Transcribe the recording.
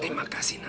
terima kasih nak